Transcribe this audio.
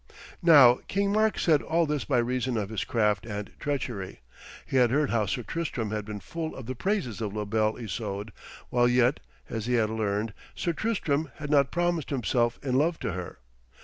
Now King Mark said all this by reason of his craft and treachery. He had heard how Sir Tristram had been full of the praises of La Belle Isoude, while yet, as he had learned, Sir Tristram had not promised himself in love to her.